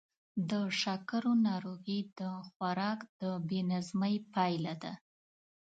د شکرو ناروغي د خوراک د بې نظمۍ پایله ده.